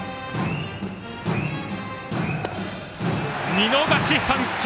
見逃し三振！